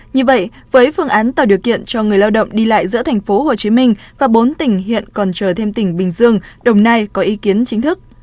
như vậy với phương án tạo điều kiện cho người lao động đi lại giữa tp hcm và bốn tỉnh hiện còn chờ thêm tỉnh bình dương đồng nai có ý kiến chính thức